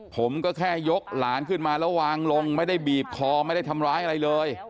ผมก็แค่ยกหลานขึ้นมาแล้ววางลงไม่ได้บีบคอไม่ได้ทำร้ายอะไรเลย